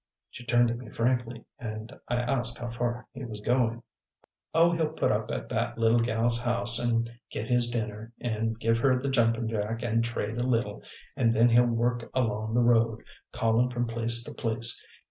She turned to me frankly, and I asked how far he was going. "Oh, he'll put up at that little gal's house an' git his dinner, and give her the jumpin' jack an' trade a little; an' then he'll work along the road, callin' from place to place.